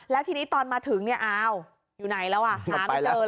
แล้วทีนี้ตอนมาถึงอ้าวอยู่ไหนแล้วหาไม่เจอแล้ว